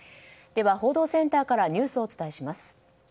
では報道センターからニュースをお伝えします。